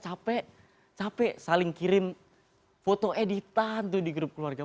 capek capek saling kirim foto editan tuh di grup keluarga